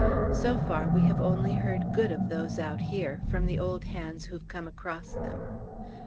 So far we have only heard good of those out here, from the old hands who've come across them.